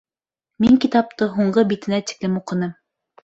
Мин китапты һуңғы битенә тиклем уҡыным